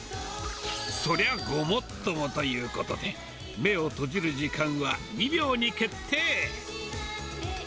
そりゃごもっともということで、目を閉じる時間は２秒に決定。